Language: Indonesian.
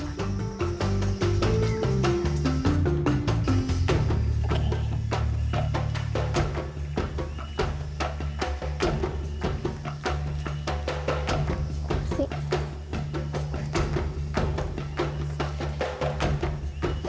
kedai masih sangat awal